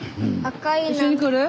一緒に来る？